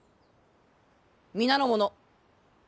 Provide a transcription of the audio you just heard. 皆の者